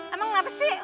emang kenapa sih